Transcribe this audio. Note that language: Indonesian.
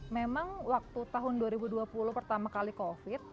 memang waktu tahun dua ribu dua puluh pertama kali covid